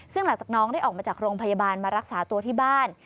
ซึ่งหลังจากน้องได้ออกมาจากโรงพยาบาลมารักษาตัวที่บ้าน